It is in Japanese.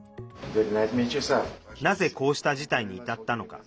なぜ、こうした事態に至ったのか。